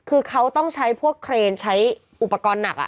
คือเขาต้องใช้พวกเครนใช้อุปกรณ์หนัก